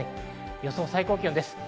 予想最高気温です。